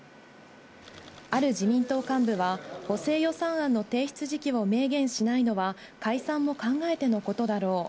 ある自民党幹部は、補正予算案の提出時期を明言しないのは、解散も考えてのことだろう。